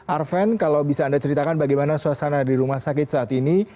arven kalau bisa anda ceritakan bagaimana suasana di rumah sakit saat ini